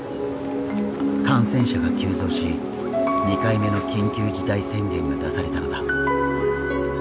感染者が急増し２回目の緊急事態宣言が出されたのだ。